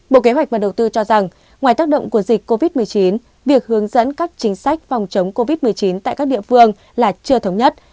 bộ kế hoạch và đầu tư cho rằng ngoài tác động của dịch covid một mươi chín việc hướng dẫn các chính sách phòng chống covid một mươi chín tại các địa phương là chưa thống nhất